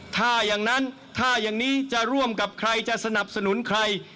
ถ้าอย่างนั้นถ้าอย่างนี้จะร่วมกับใครจะสนับสนุนใคร